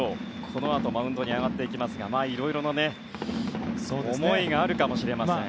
このあとマウンドに上がっていきますがいろいろな思いがあるかもしれません。